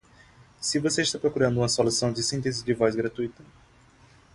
Se você está procurando uma solução de síntese de voz gratuita